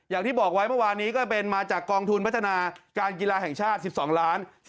อย่างที่บอกไว้เมื่อวานนี้ก็เป็นมาจากกองทุนพัฒนาการกีฬาแห่งชาติ๑๒ล้าน